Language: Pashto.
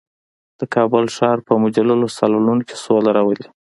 د کابل ښار په مجللو سالونونو کې سوله راولي.